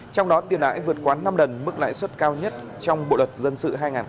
trong đó tiền lãi vượt quán năm lần mức lãi suất cao nhất trong bộ luật dân sự hai nghìn một mươi năm quy định